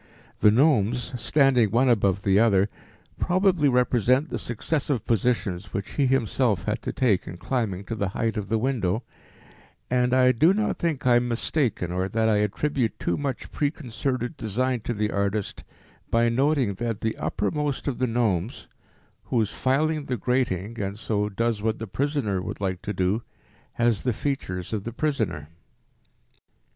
The gnomes standing one above the other probably represent the successive positions which he himself had to take in climbing to the height of the window, and I do not think I am mistaken or that I attribute too much preconcerted design to the artist, by noting that the uppermost of the gnomes, who is filing the grating (and so does what the prisoner would like to do) has the features of the prisoner.